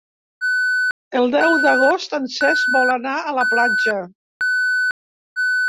El deu d'agost en Cesc vol anar a la platja.